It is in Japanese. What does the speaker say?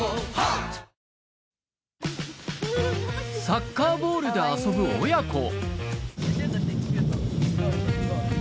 サッカーボールで遊ぶ親子